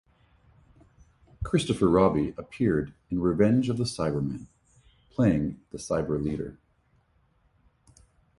Christopher Robbie appeared in "Revenge of the Cybermen", playing the Cyberleader.